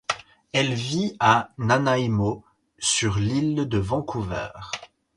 Elle vit à Nanaimo, sur l’île de Vancouver.